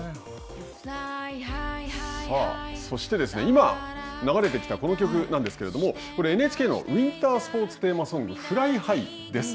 さあ、そして今、流れてきたこの曲なんですけれどもこれＮＨＫのウインタースポーツテーマソング「ＦｌｙＨｉｇｈ」です。